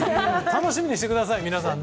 楽しみにしてください、皆さん。